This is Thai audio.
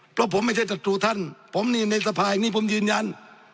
เพราะผมไม่ใช่จัดสู่ท่านผมอยู่ในสภาพนี่ผมยืนยัน